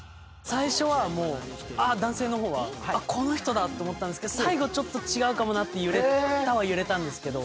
最初は男性の方はこの人だと思ったんですが最後ちょっと違うかもと揺れたは揺れたんですけど。